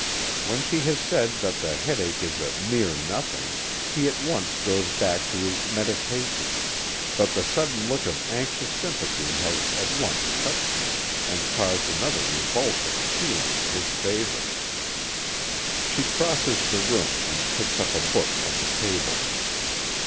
When she has said that the headache is a "mere nothing," he at once goes back to his meditations but the sudden look of anxious sympathy has at once touched her, and caused another revulsion of feeling in his favor. She crosses the room and picks up a book from the table.